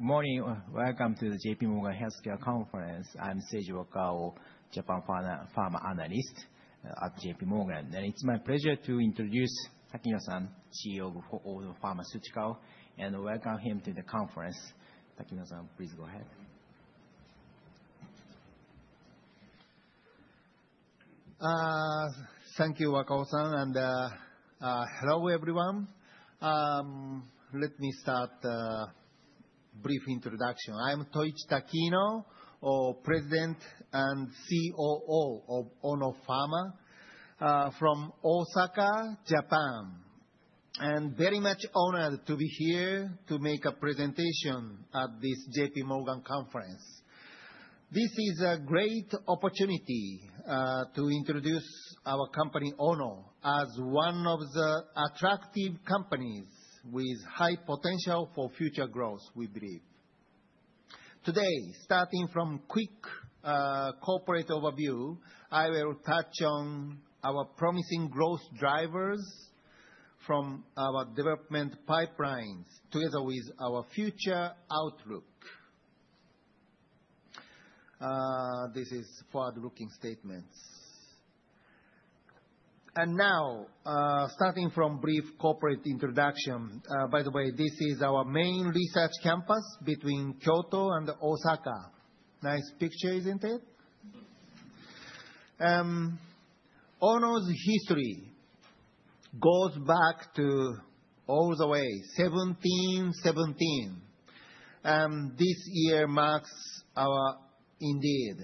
Morning, welcome to the JP Morgan Healthcare Conference. I'm Seiji Wakao, Japan Pharma, Pharma analyst, at JPMorgan, and it's my pleasure to introduce Takino-san, CEO of Ono Pharmaceutical, and welcome him to the conference. Takino-san, please go ahead. Thank you, Wakao-san, and hello, everyone. Let me start a brief introduction. I'm Toichi Takino, President and COO of Ono Pharma, from Osaka, Japan. I'm very much honored to be here to make a presentation at this JPMorgan conference. This is a great opportunity, to introduce our company, Ono, as one of the attractive companies with high potential for future growth, we believe. Today, starting from quick, corporate overview, I will touch on our promising growth drivers from our development pipelines, together with our future outlook. This is forward-looking statements. Now, starting from brief corporate introduction. By the way, this is our main research campus between Kyoto and Osaka. Nice picture, isn't it? Ono's history goes back to all the way, 1717, and this year marks our indeed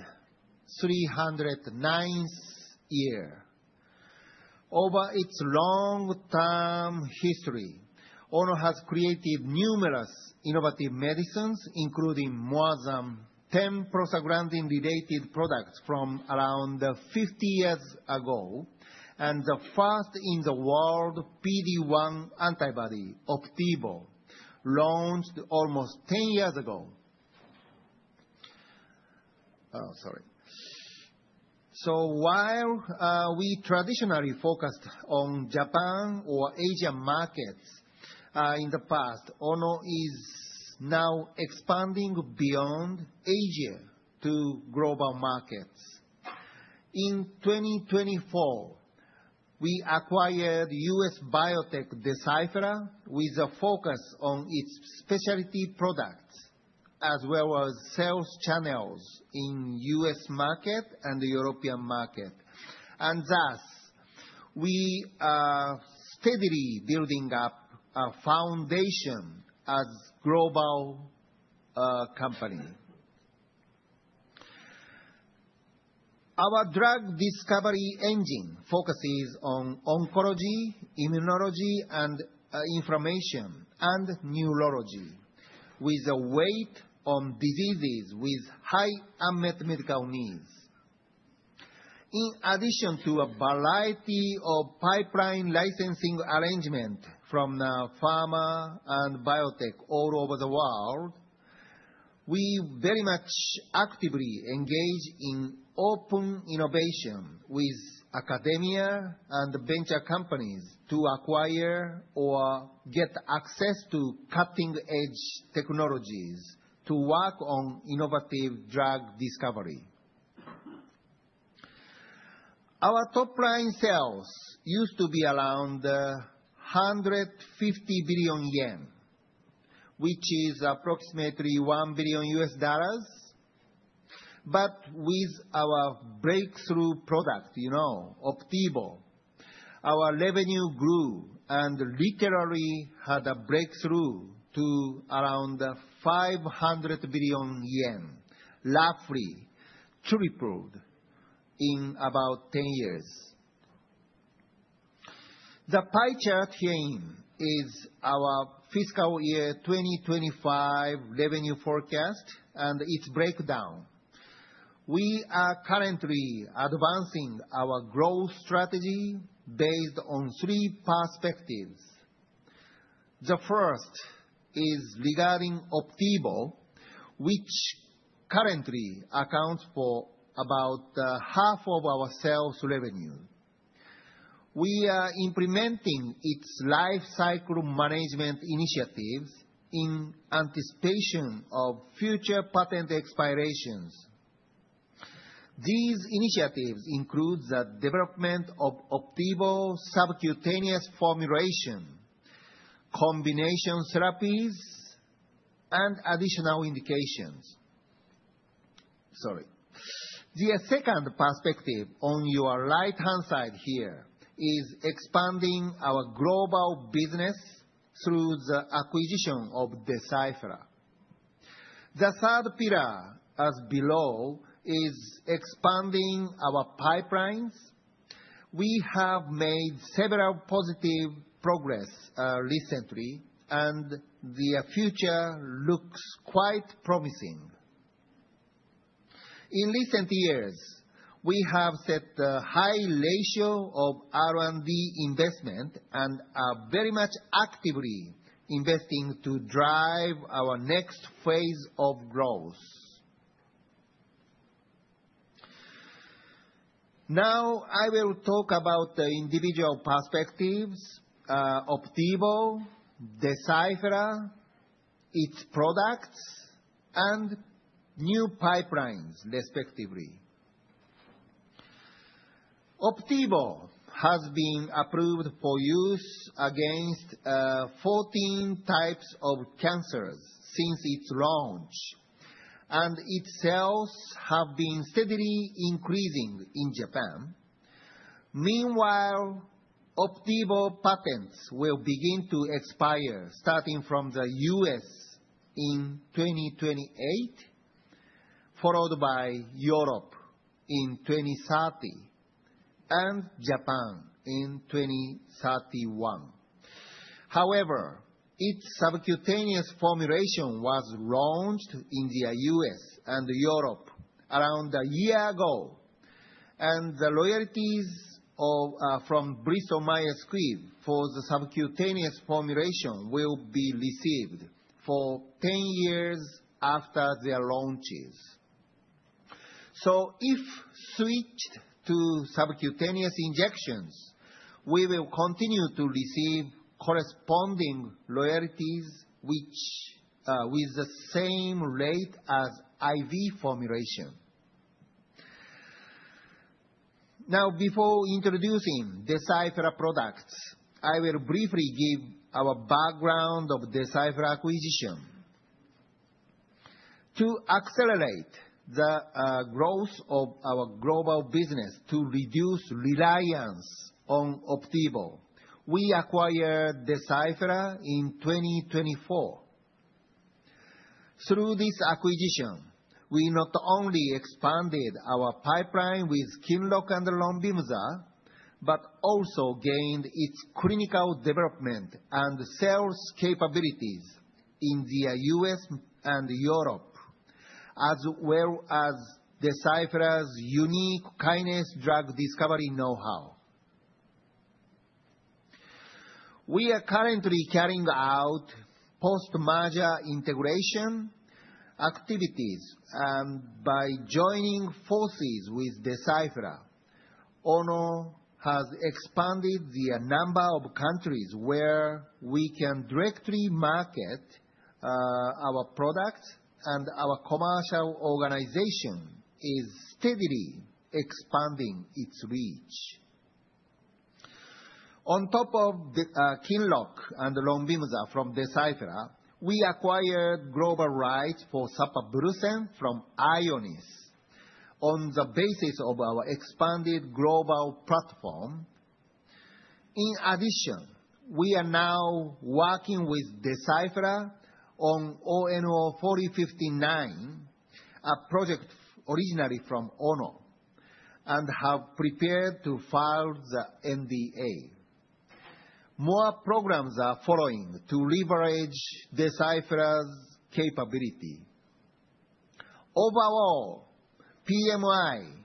309 year. Over its long-term history, Ono has created numerous innovative medicines, including more than 10 prostaglandin-related products from around 50 years ago, and the first in the world, PD-1 antibody, OPDIVO, launched almost 10 years ago. Oh, sorry. So while we traditionally focused on Japan or Asian markets in the past, Ono is now expanding beyond Asia to global markets. In 2024, we acquired U.S. biotech Deciphera, with a focus on its specialty products, as well as sales channels in U.S. market and the European market. And thus, we are steadily building up a foundation as global company. Our drug discovery engine focuses on oncology, immunology, and inflammation, and neurology, with a weight on diseases with high unmet medical needs. In addition to a variety of pipeline licensing arrangement from the pharma and biotech all over the world, we very much actively engage in open innovation with academia and venture companies to acquire or get access to cutting-edge technologies to work on innovative drug discovery. Our top-line sales used to be around 150 billion yen, which is approximately $1 billion. But with our breakthrough product, you know, OPDIVO, our revenue grew and literally had a breakthrough to around 500 billion yen, roughly tripled in about 10 years. The pie chart here is our fiscal year 2025 revenue forecast and its breakdown. We are currently advancing our growth strategy based on three perspectives. The first is regarding OPDIVO, which currently accounts for about half of our sales revenue. We are implementing its life cycle management initiatives in anticipation of future patent expirations. These initiatives include the development of OPDIVO subcutaneous formulation, combination therapies, and additional indications. Sorry. The second perspective on your right-hand side here, is expanding our global business through the acquisition of Deciphera. The third pillar, as below, is expanding our pipelines. We have made several positive progress recently, and the future looks quite promising. In recent years, we have set a high ratio of R&D investment and are very much actively investing to drive our next phase of growth.... Now, I will talk about the individual perspectives, OPDIVO, Deciphera, its products, and new pipelines, respectively. OPDIVO has been approved for use against 14 types of cancers since its launch, and its sales have been steadily increasing in Japan. Meanwhile, OPDIVO patents will begin to expire starting from the U.S. in 2028, followed by Europe in 2030, and Japan in 2031. However, its subcutaneous formulation was launched in the U.S. and Europe around a year ago, and the royalties of from Bristol Myers Squibb for the subcutaneous formulation will be received for 10 years after their launches. So if switched to subcutaneous injections, we will continue to receive corresponding royalties, which with the same rate as IV formulation. Now, before introducing Deciphera products, I will briefly give our background of Deciphera acquisition. To accelerate the growth of our global business to reduce reliance on OPDIVO, we acquired Deciphera in 2024. Through this acquisition, we not only expanded our pipeline with QINLOCK and vimseltinib, but also gained its clinical development and sales capabilities in the U.S. and Europe, as well as Deciphera's unique kinase drug discovery know-how. We are currently carrying out post-merger integration activities, and by joining forces with Deciphera, Ono has expanded the number of countries where we can directly market our products, and our commercial organization is steadily expanding its reach. On top of the QINLOCK and vimseltinib from Deciphera, we acquired global rights for sapablursen from Ionis on the basis of our expanded global platform. In addition, we are now working with Deciphera on ONO-4059, a project originally from Ono, and have prepared to file the NDA. More programs are following to leverage Deciphera's capability. Overall, PMI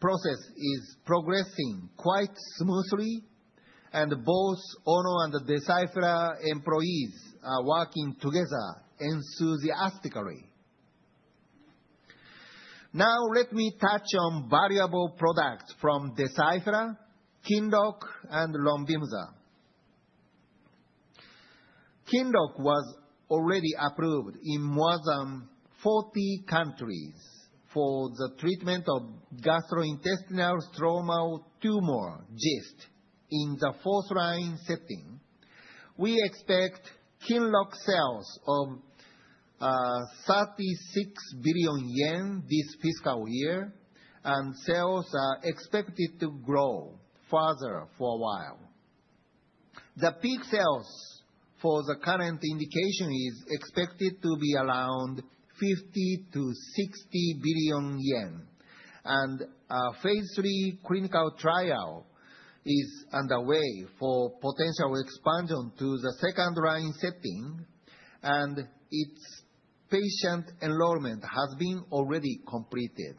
process is progressing quite smoothly, and both Ono and Deciphera employees are working together enthusiastically. Now, let me touch on valuable products from Deciphera, QINLOCK and ROMVIMZA. QINLOCK was already approved in more than 40 countries for the treatment of gastrointestinal stromal tumor, GIST, in the fourth-line setting. We expect QINLOCK sales of 36 billion yen this fiscal year, and sales are expected to grow further for a while. The peak sales for the current indication is expected to be around 50 to 60 billion, and a phase III clinical trial is underway for potential expansion to the second-line setting, and its patient enrollment has been already completed.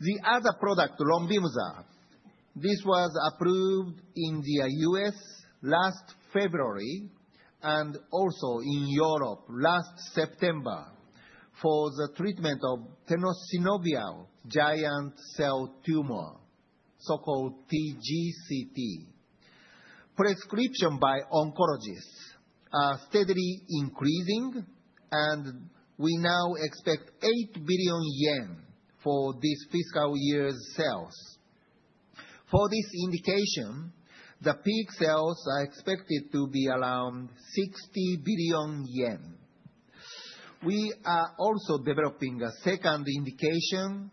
The other product, ROMVIMZA, this was approved in the U.S. last February and also in Europe last September for the treatment of Tenosynovial Giant Cell Tumor, so-called TGCT. Prescription by oncologists are steadily increasing, and we now expect 8 billion yen for this fiscal year's sales. For this indication, the peak sales are expected to be around 60 billion yen. We are also developing a second indication,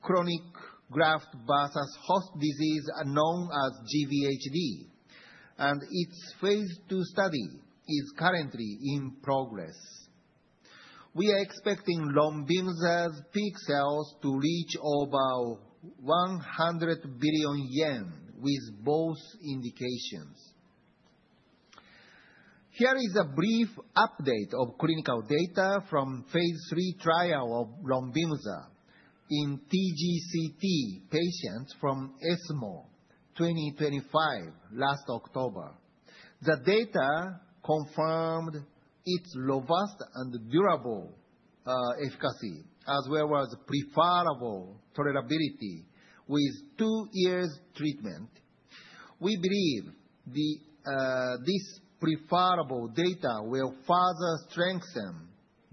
chronic graft-versus-host disease, known as GvHD, and its phase II study is currently in progress. We are expecting ROMVIMZA's peak sales to reach over 100 billion yen with both indications. Here is a brief update of clinical data from phase III trial of ROMVIMZA in TGCT patients from ESMO 2025, last October. The data confirmed its robust and durable efficacy, as well as preferable tolerability with two years treatment. We believe this preferable data will further strengthen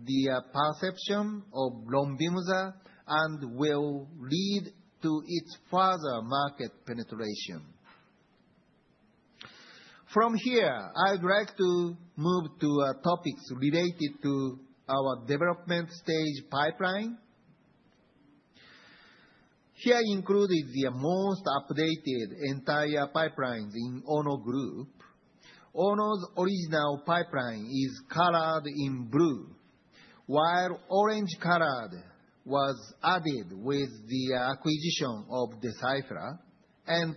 the perception of ROMVIMZA and will lead to its further market penetration. From here, I'd like to move to topics related to our development stage pipeline. Here included the most updated entire pipelines in Ono Group. Ono's original pipeline is colored in blue, while orange-colored was added with the acquisition of Deciphera, and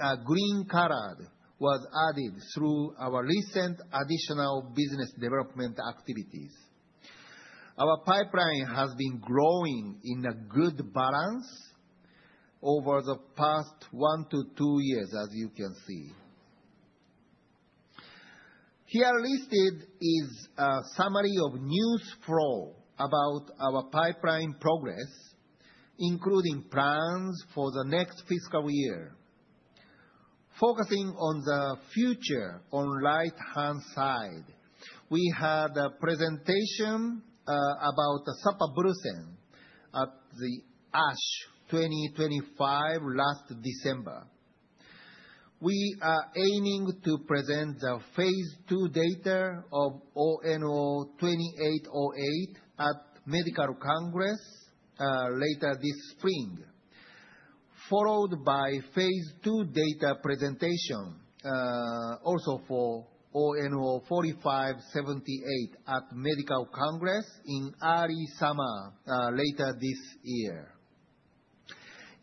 light green colored was added through our recent additional business development activities. Our pipeline has been growing in a good balance over the past one to two years, as you can see. Here listed is a summary of news flow about our pipeline progress, including plans for the next fiscal year. Focusing on the future, on right-hand side, we had a presentation about the sapablursen at the ASH 2025, last December. We are aiming to present the phase II data of ONO-2808 at medical congress later this spring, followed by phase II data presentation also for ONO-4578, at medical congress in early summer later this year.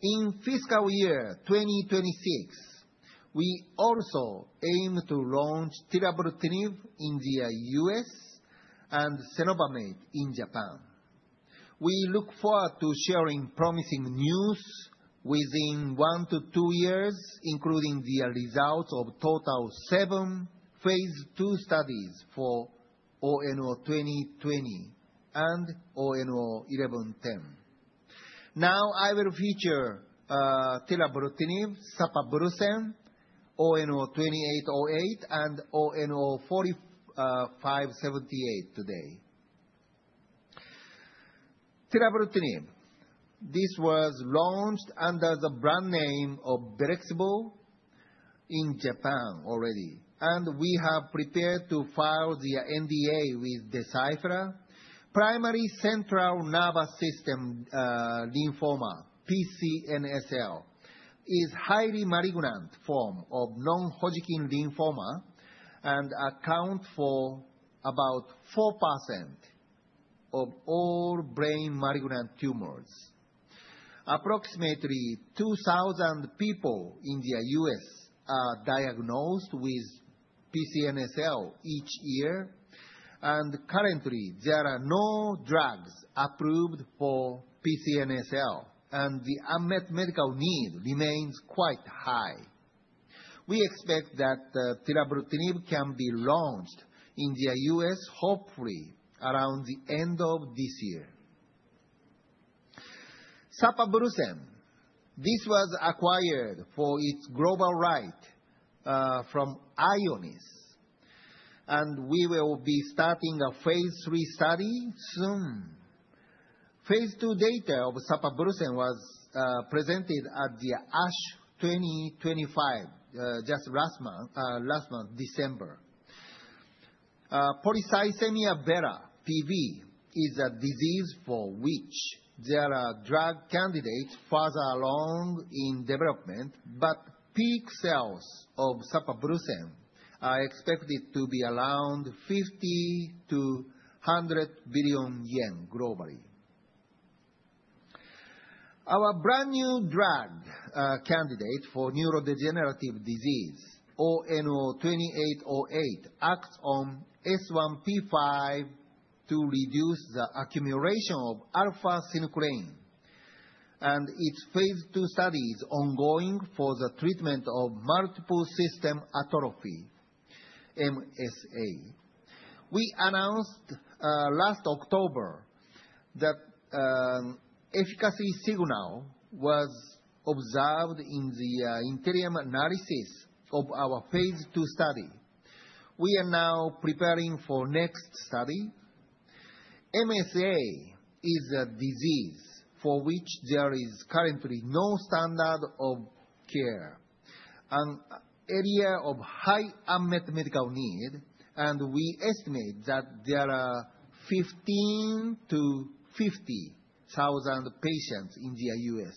In fiscal year 2026, we also aim to launch tirabrutinib in the US and cenobamate in Japan. We look forward to sharing promising news within one to two years, including the results of total seven phase II studies for ONO-2020 and ONO-1110. Now, I will feature tirabrutinib, sapablursen, ONO-2808, and ONO-4578 today. Tirabrutinib, this was launched under the brand name of Velexbru in Japan already, and we have prepared to file the NDA with Deciphera. Primary central nervous system lymphoma, PCNSL, is highly malignant form of non-Hodgkin lymphoma and account for about 4% of all brain malignant tumors. Approximately 2,000 people in the U.S. are diagnosed with PCNSL each year, and currently there are no drugs approved for PCNSL, and the unmet medical need remains quite high. We expect that tirabrutinib can be launched in the U.S., hopefully around the end of this year. Sapablursen. This was acquired for its global rights from Ionis, and we will be starting a phase III study soon. Phase II data of sapablursen was presented at the ASH 2025 just last month, December. Polycythemia vera, PV, is a disease for which there are drug candidates further along in development, but peak sales of sapablursen are expected to be around 50 to 100 billion globally. Our brand-new drug candidate for neurodegenerative disease, ONO-2808, acts on S1P5 to reduce the accumulation of alpha-synuclein, and its phase II study is ongoing for the treatment of multiple system atrophy, MSA. We announced last October that efficacy signal was observed in the interim analysis of our phase II study. We are now preparing for next study. MSA is a disease for which there is currently no standard of care, an area of high unmet medical need, and we estimate that there are 15 to 50,000 patients in the U.S..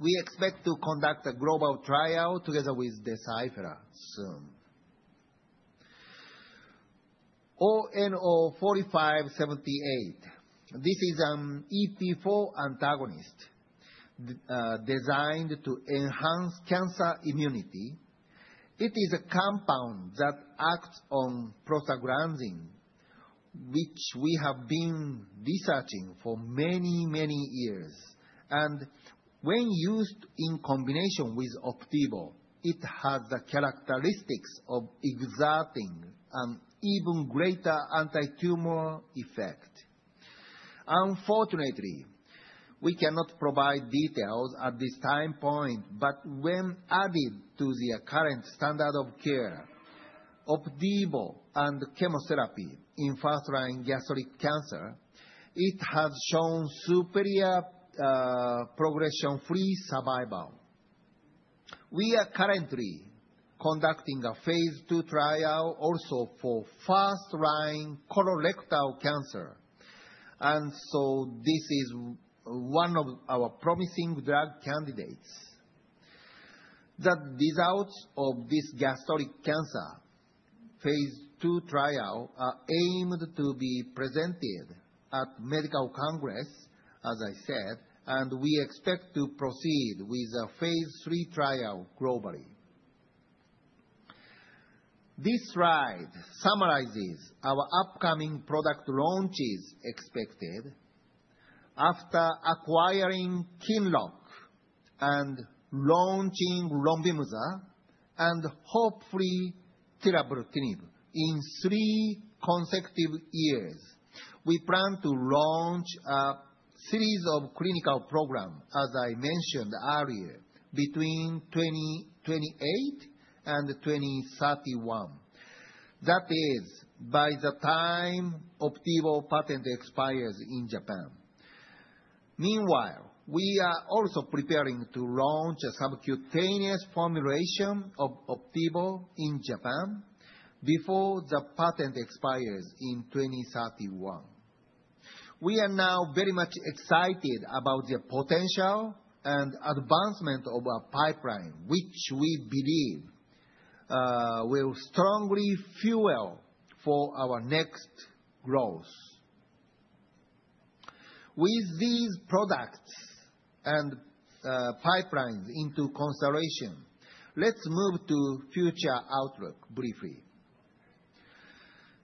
We expect to conduct a global trial together with Deciphera soon. ONO-4578. This is an EP4 antagonist designed to enhance cancer immunity. It is a compound that acts on prostaglandin, which we have been researching for many, many years. And when used in combination with OPDIVO, it has the characteristics of exerting an even greater anti-tumor effect. Unfortunately, we cannot provide details at this time point, but when added to the current standard of care, OPDIVO and chemotherapy in first-line gastric cancer, it has shown superior progression-free survival. We are currently conducting a phase II trial also for first-line colorectal cancer, and so this is one of our promising drug candidates. The results of this gastric cancer phase II trial are aimed to be presented at medical congress, as I said, and we expect to proceed with a phase III trial globally. This slide summarizes our upcoming product launches expected after acquiring QINLOCK and launching ROMVIMZA, and hopefully tirabrutinib in three consecutive years. We plan to launch a series of clinical program, as I mentioned earlier, between 2028 and 2031. That is by the time OPDIVO patent expires in Japan. Meanwhile, we are also preparing to launch a subcutaneous formulation of OPDIVO in Japan before the patent expires in 2031. We are now very much excited about the potential and advancement of our pipeline, which we believe will strongly fuel for our next growth. With these products and pipelines into consideration, let's move to future outlook briefly.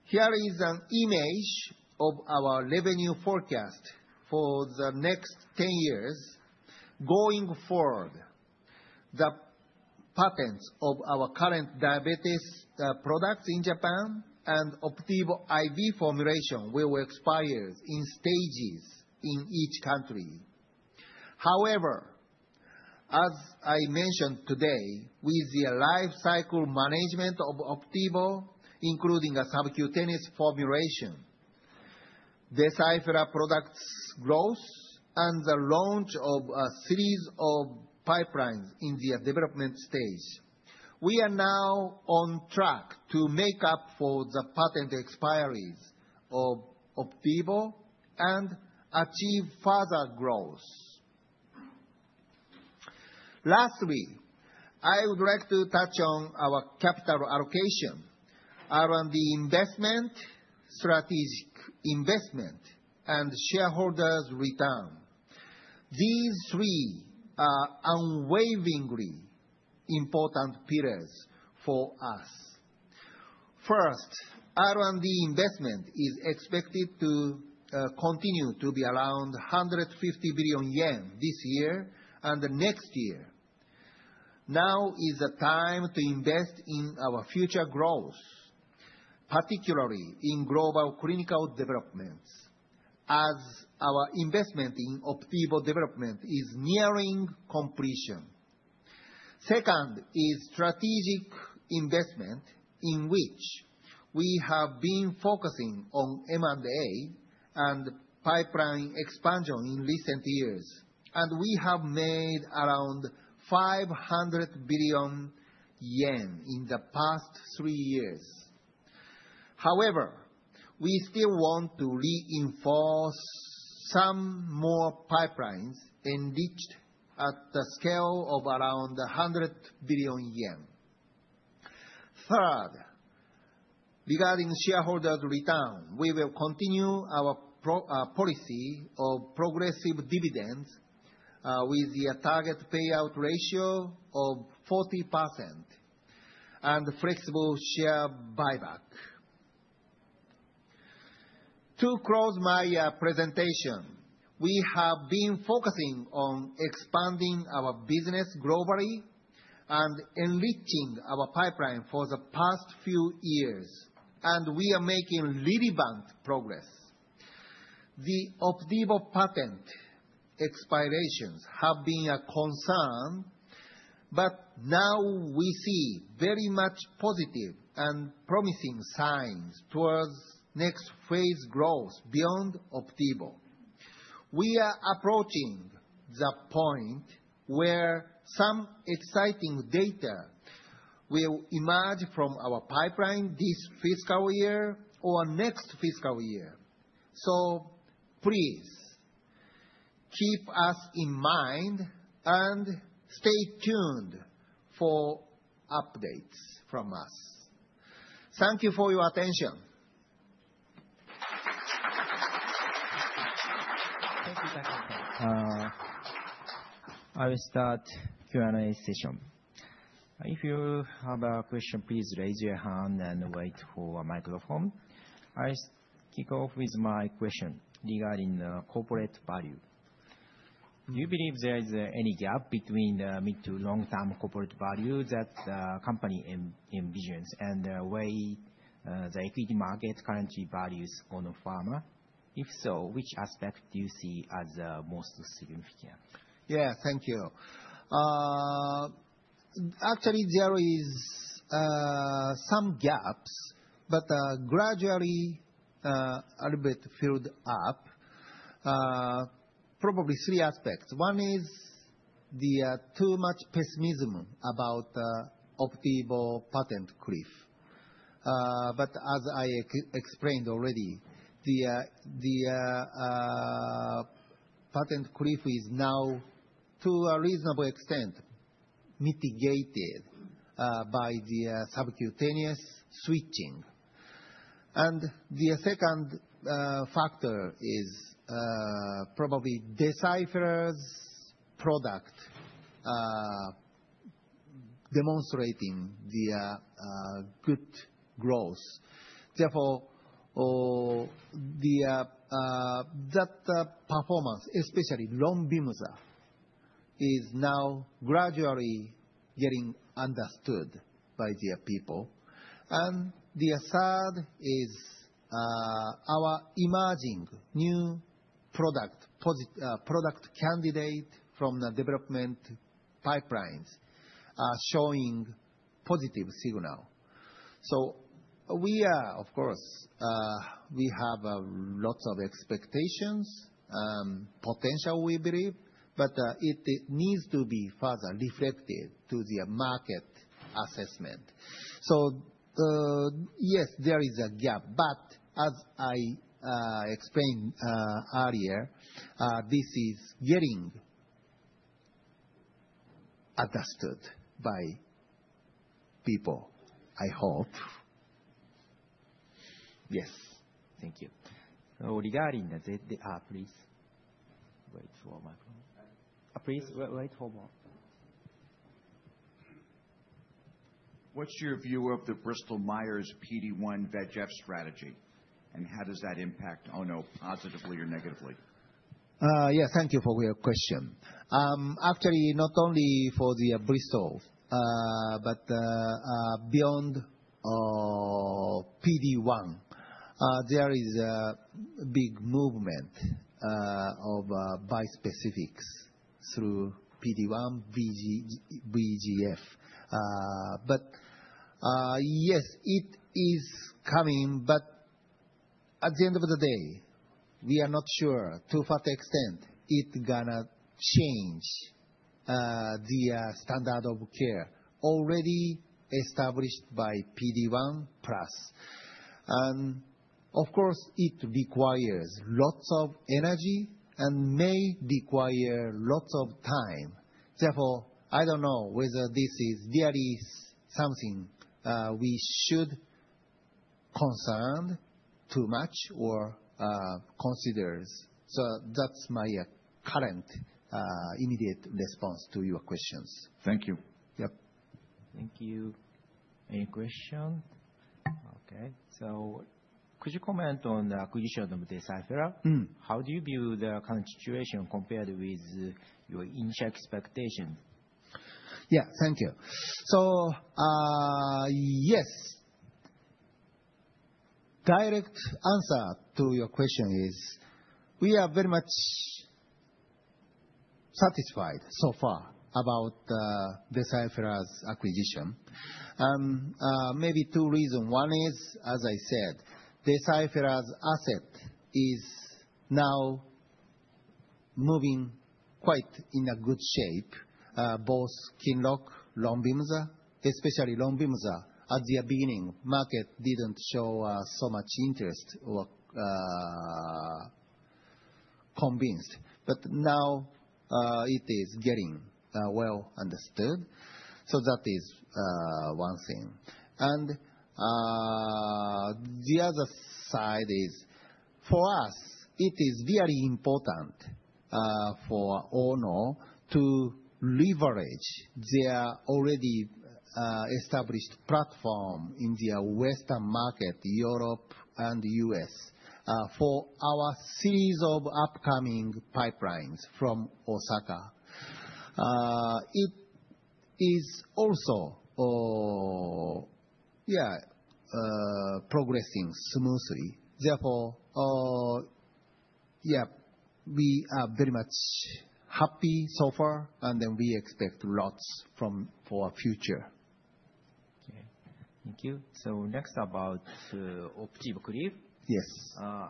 Here is an image of our revenue forecast for the next 10 years. Going forward, the patents of our current diabetes products in Japan and OPDIVO IV formulation will expire in stages in each country. However, as I mentioned today, with the life cycle management of OPDIVO, including a subcutaneous formulation, Deciphera products growth, and the launch of a series of pipelines in the development stage, we are now on track to make up for the patent expiries of OPDIVO and achieve further growth. Lastly, I would like to touch on our capital allocation around the investment, strategic investment, and shareholders' return. These three are unwaveringly important pillars for us. First, R&D investment is expected to continue to be around 150 billion yen this year and the next year. Now is the time to invest in our future growth, particularly in global clinical developments, as our investment in OPDIVO development is nearing completion. Second is strategic investment, in which we have been focusing on M&A and pipeline expansion in recent years, and we have made around 500 billion yen in the past three years. However, we still want to reinforce some more pipelines enriched at the scale of around 100 billion yen. Third, regarding shareholders' return, we will continue our policy of progressive dividends with the target payout ratio of 40% and flexible share buyback. To close my presentation, we have been focusing on expanding our business globally and enriching our pipeline for the past few years, and we are making relevant progress. The OPDIVO patent expirations have been a concern, but now we see very much positive and promising signs towards next phase growth beyond OPDIVO. We are approaching the point where some exciting data will emerge from our pipeline this fiscal year or next fiscal year. So please, keep us in mind and stay tuned for updates from us. Thank you for your attention!... I will start Q&A session. If you have a question, please raise your hand and wait for a microphone. I kick off with my question regarding corporate value. Do you believe there is any gap between the mid- to long-term corporate value that company envisions, and the way the equity market currently values Ono Pharma? If so, which aspect do you see as most significant? Yeah, thank you. Actually, there is some gaps, but gradually a little bit filled up. Probably three aspects. One is the too much pessimism about OPDIVO patent cliff, but as I explained already, the patent cliff is now, to a reasonable extent, mitigated by the subcutaneous switching. The second factor is probably Deciphera's product demonstrating the good growth. Therefore, that performance, especially ROMVIMZA, is now gradually getting understood by the people. The third is our emerging new product candidate from the development pipelines are showing positive signal. So we are, of course, we have lots of expectations, potential, we believe, but it needs to be further reflected to the market assessment. So, yes, there is a gap, but as I explained earlier, this is getting adjusted by people, I hope. Yes. Thank you. So regarding the. Please, wait for microphone. What's your view of the Bristol Myers PD-1 VEGF strategy, and how does that impact Ono positively or negatively? Yeah, thank you for your question. Actually, not only for the Bristol, but beyond PD-1, there is a big movement of bispecifics through PD-1, VG-VEGF. But yes, it is coming, but at the end of the day, we are not sure to what extent it gonna change the standard of care already established by PD-1 plus. And of course, it requires lots of energy and may require lots of time. Therefore, I don't know whether this is really something we should concern too much or considers. So that's my current immediate response to your questions. Thank you. Yep. Thank you. Any question? Okay, so could you comment on the acquisition of Deciphera? How do you view the current situation compared with your initial expectation? Yeah, thank you. So, yes, direct answer to your question is, we are very much satisfied so far about Deciphera's acquisition. Maybe two reason. One is, as I said, Deciphera's asset is now moving quite in a good shape, both QINLOCK, ROMVIMZA, especially ROMVIMZA. At the beginning, market didn't show so much interest or convinced, but now it is getting well understood. So that is one thing. The other side is, for us, it is very important for Ono to leverage their already established platform in the Western market, Europe and U.S., for our series of upcoming pipelines from Osaka. It is also progressing smoothly. Therefore, yeah, we are very much happy so far, and then we expect lots from... for future. Okay, thank you. So next, about OPDIVO cliff. Yes.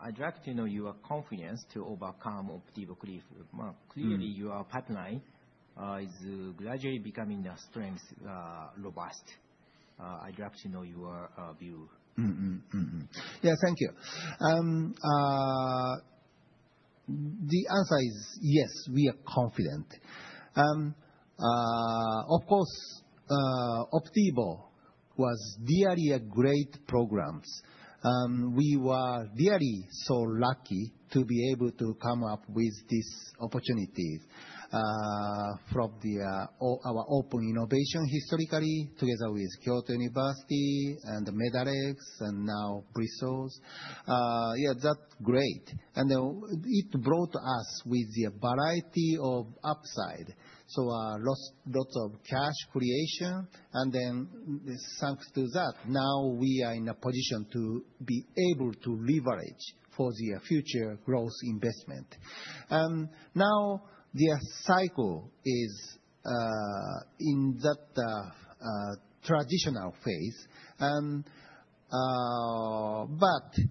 I'd like to know your confidence to overcome OPDIVO cliff. Clearly your pipeline is gradually becoming a strength, robust. I'd like to know your view. Yeah, thank you. The answer is yes, we are confident. Of course, OPDIVO was really a great programs. We were really so lucky to be able to come up with these opportunities from our open innovation historically, together with Kyoto University and Medarex, and now Bristol. Yeah, that's great, and it brought us with the variety of upside, so lots of cash creation, and then thanks to that, now we are in a position to be able to leverage for the future growth investment. Now the cycle is in that traditional phase and, but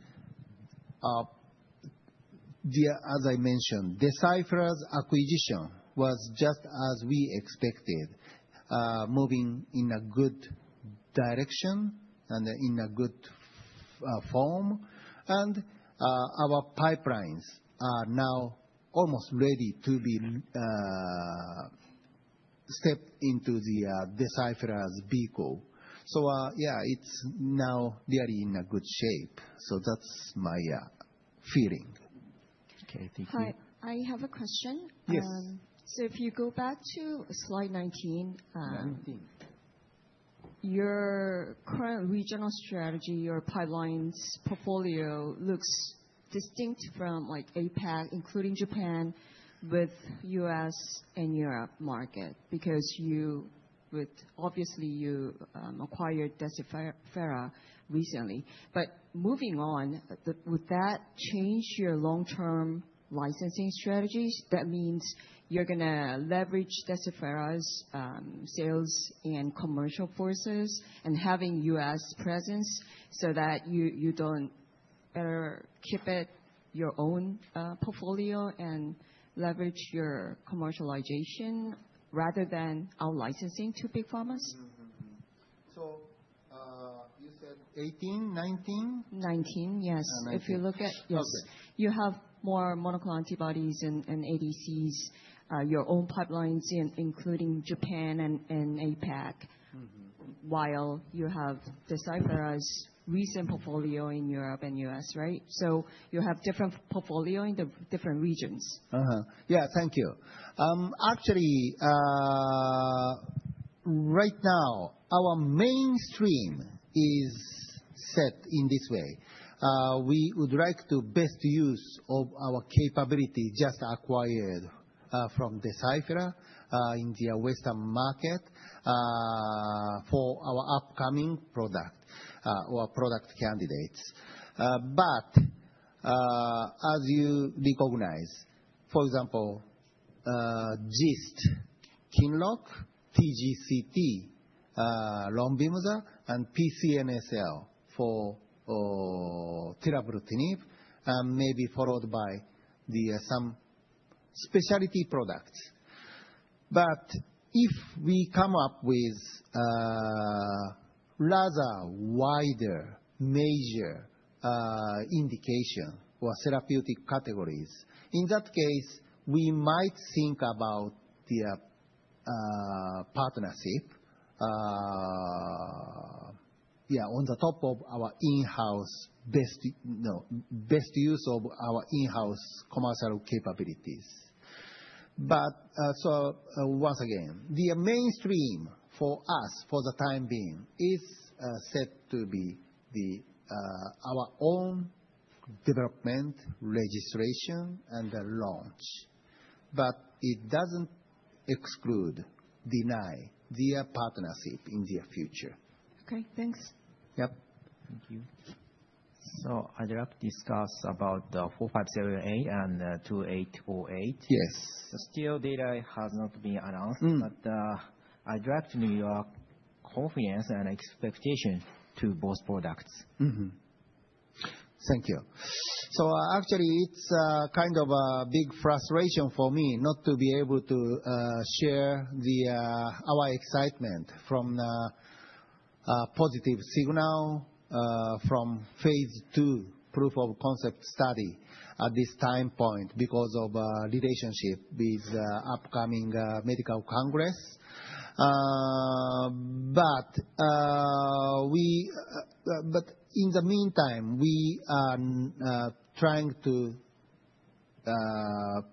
as I mentioned, Deciphera's acquisition was just as we expected, moving in a good direction and in a good form. And, our pipelines are now almost ready to step into Deciphera's vehicle. So, yeah, it's now really in a good shape. So that's my feeling. Okay, thank you. Hi. I have a question. Yes. So if you go back to slide 19. 19. Your current regional strategy, your pipelines portfolio, looks distinct from like APAC, including Japan, with U.S. and Europe market, because obviously you acquired Deciphera recently. But moving on, would that change your long-term licensing strategies? That means you're gonna leverage Deciphera's sales and commercial forces, and having U.S. presence, so that you don't keep it your own portfolio, and leverage your commercialization rather than out-licensing to big pharmas? So, you said 18, 19? 19, yes. 19. If you look at... Yes. Okay. You have more monoclonal antibodies and ADCs, your own pipelines including Japan and APAC. While you have Deciphera's recent portfolio in Europe and US, right? So you have different portfolio in the different regions. Yeah, thank you. Actually, right now, our mainstream is set in this way. We would like to best use of our capability just acquired from Deciphera in the Western market for our upcoming product or product candidates. But as you recognize, for example, GIST, QINLOCK, TGCT, ROMVIMZA, and PCNSL for tirabrutinib may be followed by the some specialty products. But if we come up with rather wider major indication or therapeutic categories, in that case, we might think about the partnership. Yeah, on top of our in-house best, you know, best use of our in-house commercial capabilities. But so once again, the mainstream for us, for the time being, is set to be the our own development, registration, and the launch. But it doesn't exclude, deny, the partnership in the future. Okay, thanks. Yep. Thank you. So I'd like to discuss about the ONO-4578 and ONO-2808. Yes. The sales data has not been announced but, I'd like to know your confidence and expectation to both products. Thank you. So actually, it's kind of a big frustration for me not to be able to share our excitement from a positive signal from phase II proof of concept study at this time point, because of relationship with upcoming medical congress, but in the meantime, we are trying to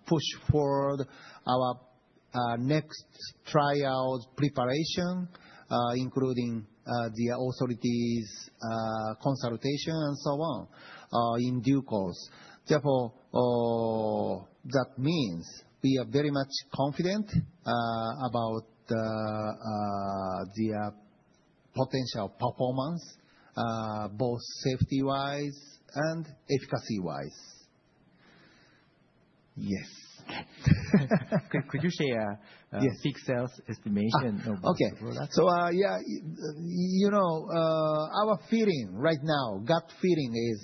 push forward our next trial preparation, including the authorities consultation, and so on, in due course. Therefore, that means we are very much confident about the potential performance, both safety-wise and efficacy-wise. Yes. Could you share? Yes. -the peak sales estimation of both products? Okay. So, yeah, you know, our feeling right now, gut feeling, is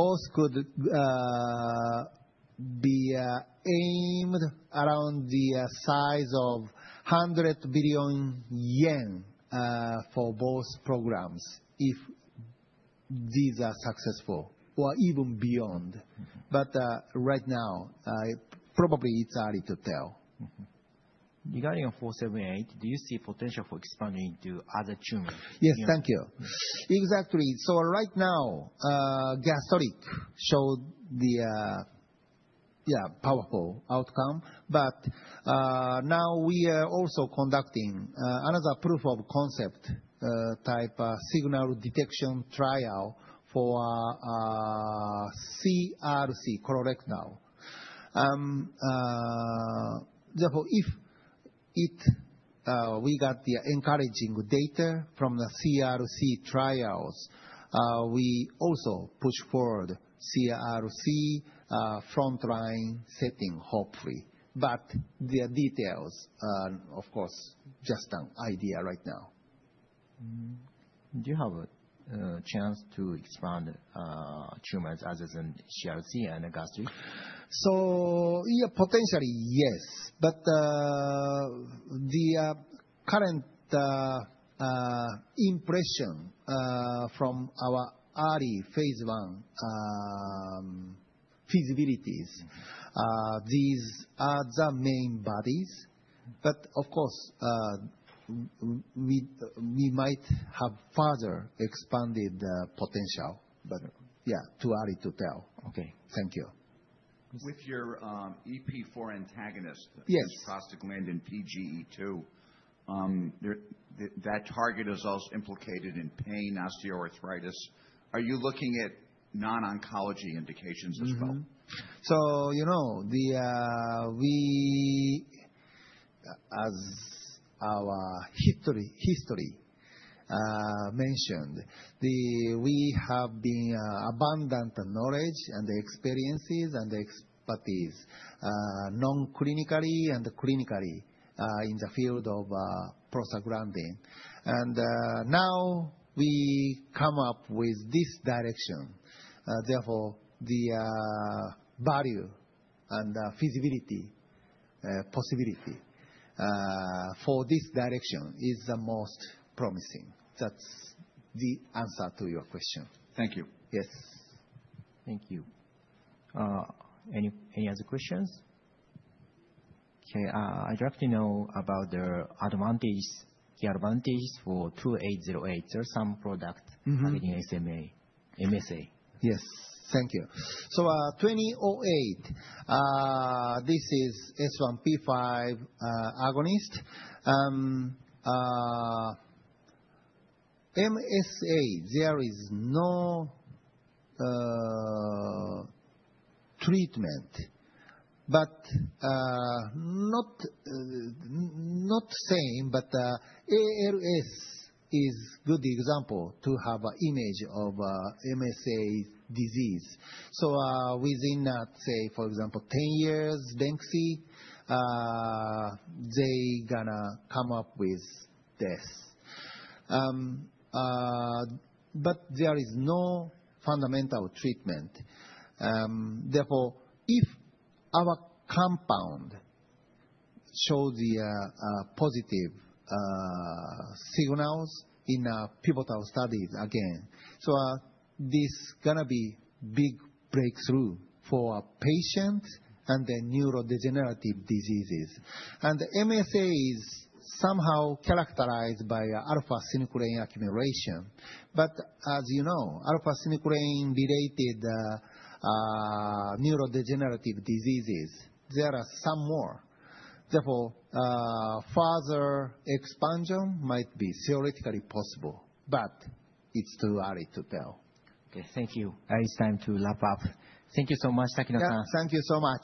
both could be aimed around the size of 100 billion yen for both programs, these are successful or even beyond. But, right now, probably it's early to tell. Regarding ONO-4578, do you see potential for expanding to other tumors? Yes, thank you. Exactly. So right now, gastric showed the, yeah, powerful outcome, but, now we are also conducting, another proof of concept, type, signal detection trial for, CRC, colorectal. Therefore, if it, we got the encouraging data from the CRC trials, we also push forward CRC, frontline setting, hopefully. But the details are, of course, just an idea right now. Do you have a chance to expand tumors other than CRC and gastric? So, yeah, potentially, yes, but the current impression from our early phase I feasibilities, these are the main bodies, but of course, we might have further expanded the potential, but yeah, too early to tell. Okay, thank you. With your, EP4 antagonist- Yes. -prostaglandin PGE2, there, that target is also implicated in pain, osteoarthritis. Are you looking at non-oncology indications as well? So, you know, we, as our history mentioned, we have the abundant knowledge and the experiences and the expertise, non-clinically and clinically, in the field of prostaglandin. And, now we come up with this direction. Therefore, the value and feasibility, possibility, for this direction is the most promising. That's the answer to your question. Thank you. Yes. Thank you. Any other questions? Okay, I'd like to know about the advantage for 2808 or some product in SMA, MSA. Yes. Thank you. So, ONO-2808, this is S1P5 agonist. MSA, there is no treatment, but not the same, but ALS is good example to have an image of MSA disease. So, within, say for example, 10-year life expectancy, they gonna succumb to this. But there is no fundamental treatment. Therefore, if our compound shows the positive signals in pivotal studies, this gonna be big breakthrough for patients and the neurodegenerative diseases. And MSA is somehow characterized by alpha-synuclein accumulation. But as you know, alpha-synuclein-related neurodegenerative diseases, there are some more. Therefore, further expansion might be theoretically possible, but it's too early to tell. Okay, thank you. And it's time to wrap up. Thank you so much, Takino-san. Yeah, thank you so much.